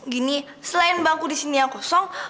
gini selain bangku di sini yang kosong